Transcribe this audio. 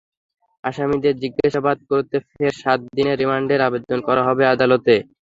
আসামিদের জিজ্ঞাসাবাদ করতে ফের সাত দিনের রিমান্ডের আবেদন করা হবে আদালতে।